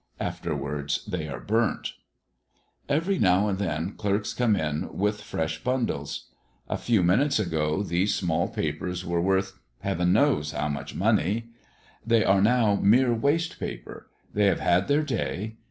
Afterwards they are burnt. Every now and then clerks come in with fresh bundles. A few minutes ago these small papers were worth Heaven knows how much money. "They are now mere waste paper. They have had their day.